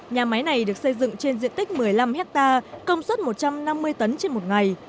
nhà máy này được xây dựng trên diện tích một mươi năm hectare công suất một trăm năm mươi tấn trên một ngày